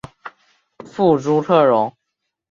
父朱克融。